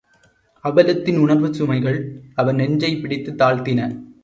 அவலத்தின் உணர்வுச் சுமைகள் அவன் நெஞ்சைப் பிடித்துத் தாழ்த்தின.